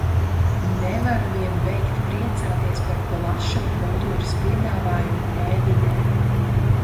Nevaru vien beigt priecāties par plašo kultūras piedāvājumu e-vidē.